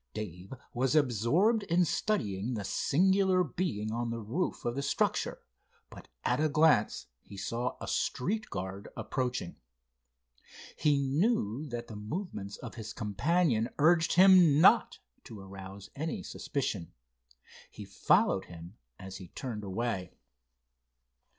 Dave was absorbed in studying the singular being on the roof of the structure, but at a glance he saw a street guard approaching. He knew that the movements of his companion urged him not to arouse any suspicion. He followed him as he turned away.